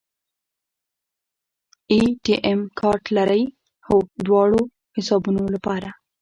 اے ټي ایم کارت لرئ؟ هو، دواړو حسابونو لپاره